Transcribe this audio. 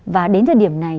và đến thời điểm này